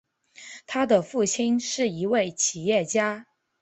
他的父亲是一位企业家。